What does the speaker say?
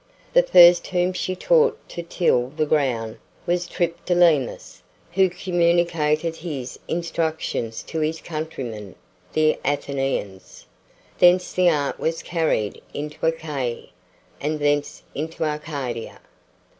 The first whom she taught to till the ground was Triptolemus, who communicated his instructions to his countrymen the Athenians. Thence the art was carried into Achaia, and thence into Arcadia.